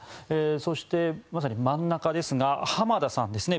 そして、まさに真ん中ですが浜田さんですね